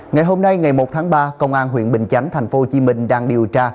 ngày hôm nay ngày một tháng ba công an huyện bình chánh tp hcm đang điều tra